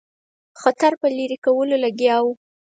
خطر په لیري کولو لګیا وو.